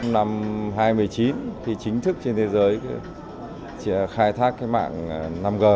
năm hai nghìn một mươi chín thì chính thức trên thế giới khai thác mạng năm g